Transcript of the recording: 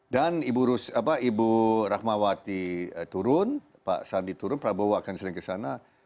dan ibu rahmawati turun pak sandi turun prabowo akan sering kesana